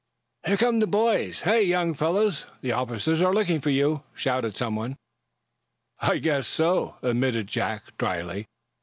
"Here come those boys! Hey, young fellows, the officers are looking for you!" shouted someone. "I guess so," admitted Jack, dryly.